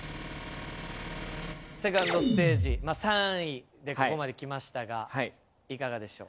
２ｎｄステージ３位でここまで来ましたがいかがでしょう？